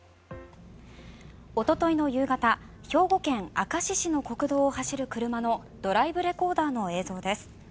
おとといの夕方兵庫県明石市の国道を走る車のドライブレコーダーの映像です。